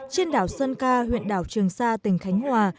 trên đảo sơn ca huyện đảo trường sa tỉnh khánh hòa